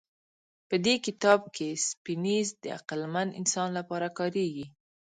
په دې کتاب کې سیپینز د عقلمن انسان لپاره کارېږي.